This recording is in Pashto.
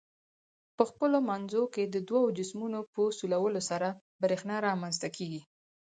په خپلو منځو کې د دوو جسمونو په سولولو سره برېښنا رامنځ ته کیږي.